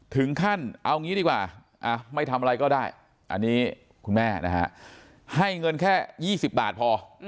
ถึงขั้นเอางี้ดีกว่าไม่ทำอะไรก็ได้อันนี้คุณแม่นะฮะให้เงินแค่๒๐บาทพอ